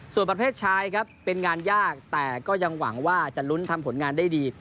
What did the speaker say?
ส่วนประเภทชายครับเป็นงานยากแต่ก็ยังหวังว่าจะลุ้นทำผลงานได้ดี